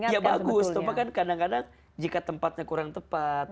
ya bagus kadang kadang jika tempatnya kurang tepat